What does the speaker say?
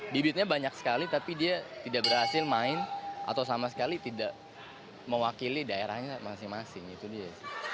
bibitnya banyak sekali tapi dia tidak berhasil main atau sama sekali tidak mewakili daerahnya masing masing itu dia